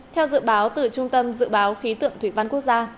theo dự báo từ trung tâm dự báo khí tượng thủy văn quốc gia